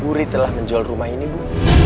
wuri telah menjual rumah ini ibu